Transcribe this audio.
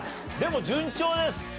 でも順調です。